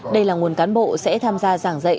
đây là nguồn cán bộ sẽ tham gia giảng dạy